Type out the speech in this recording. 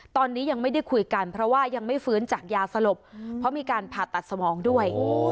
ตอนนี้ยังไม่ได้คุยกันเพราะว่ายังไม่ฟื้นจากยาสลบเพราะมีการผ่าตัดสมองด้วย